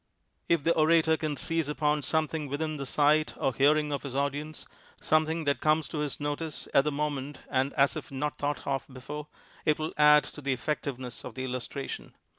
If the orator can seize upon something within the sight or hearing of his audience — something that comes to his notice at the moment and as if not thought of before — it will add to the effect iveness of the illustration.